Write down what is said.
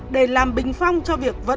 để làm bình phong cho việc vận chuyển